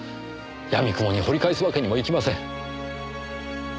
やみくもに掘り返すわけにもいきません。